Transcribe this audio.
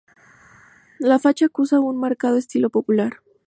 La fachada acusa un marcado estilo popular.